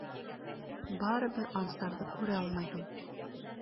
Барыбер Ансарҙы күрә алмайһың.